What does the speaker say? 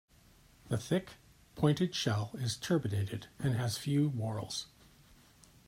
The thick, pointed shell is turbinated and has few whorls.